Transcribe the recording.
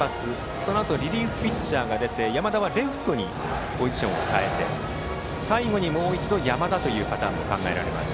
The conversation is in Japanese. そのあとリリーフピッチャーが出て山田はレフトにポジションを変えて最後にもう一度山田というパターンも考えられます。